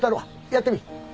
やってみ。